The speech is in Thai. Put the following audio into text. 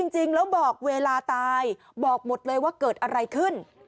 จริงแล้วบอกเวลาตายบอกหมดเลยว่าเกิดอะไรขึ้น